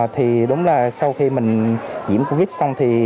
thì đúng là sau khi mình nhiễm covid xong